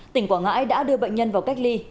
tỉnh quảng ngãi đã đưa bệnh nhân vào cách ly